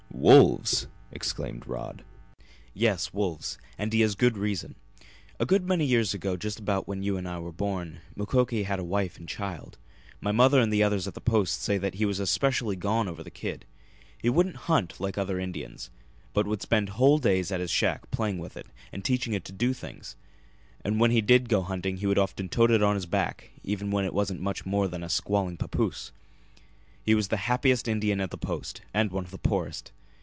"Wolves!" exclaimed Rod. "Yes, wolves. And he has good reason. A good many years ago, just about when you and I were born, Mukoki had a wife and child. My mother and others at the Post say that he was especially gone over the kid. He wouldn't hunt like other Indians, but would spend whole days at his shack playing with it and teaching it to do things; and when he did go hunting he would often tote it on his back, even when it wasn't much more than a squalling papoose. He was the happiest Indian at the Post, and one of the poorest.